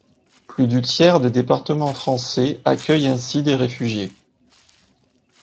Plus du tiers des départements français accueillent ainsi des réfugiés.